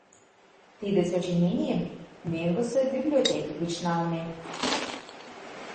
Тиде сочиненийым мӧҥгысӧ библиотеке гыч налме...